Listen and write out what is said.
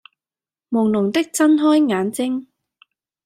朦朧的睜開眼睛